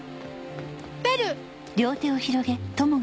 ベル！